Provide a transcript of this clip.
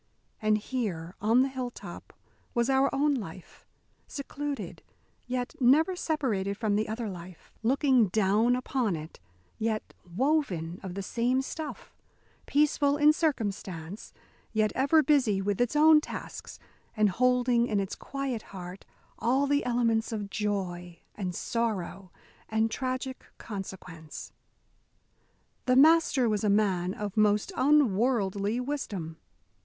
And here, on the hilltop, was our own life; secluded, yet never separated from the other life; looking down upon it, yet woven of the same stuff; peaceful in circumstance, yet ever busy with its own tasks, and holding in its quiet heart all the elements of joy and sorrow and tragic consequence. The Master was a man of most unworldly wisdom.